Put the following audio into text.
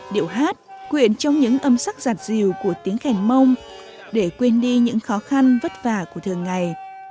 điệu hát quyển trong những âm sắc giặt dìu của tiếng khèn mông để quên đi những khó khăn vất vả của thường ngày